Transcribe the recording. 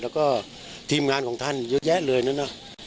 แล้วก็ทีมงานของท่านเยอะแยะเลยนะเนอะ